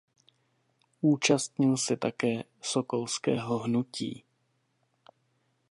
Účastnil se také sokolského hnutí.